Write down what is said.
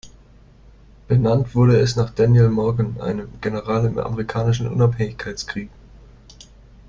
Benannt wurde es nach Daniel Morgan einem General im Amerikanischen Unabhängigkeitskrieg.